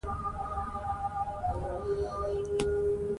ونې د تودوخې مخه نیسي.